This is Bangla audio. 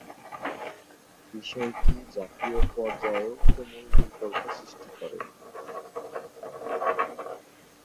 বিষয়টি জাতীয় পর্যায়েও তুমুল বিতর্ক সৃষ্টি করে।